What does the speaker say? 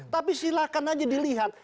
tapi silakan aja dilihat